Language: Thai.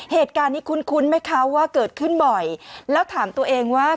เหตุการณ์นี้คุ้นไหมคะว่าเกิดขึ้นบ่อยแล้วถามตัวเองว่า